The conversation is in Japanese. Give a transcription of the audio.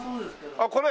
あっこれ？